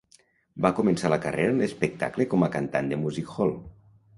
Va començar la carrera en l'espectacle com a cantant de music-hall.